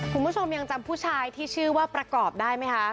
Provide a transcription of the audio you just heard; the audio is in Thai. คุณผู้ชมยังจำผู้ชายที่ชื่อว่าประกอบได้ไหมคะ